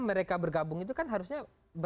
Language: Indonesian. mereka bergabung itu kan harusnya